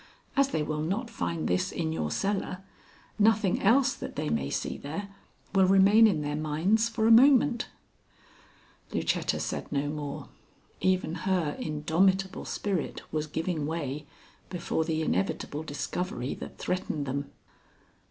As they will not find this in your cellar, nothing else that they may see there will remain in their minds for a moment." Lucetta said no more. Even her indomitable spirit was giving way before the inevitable discovery that threatened them.